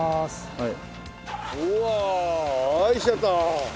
はい。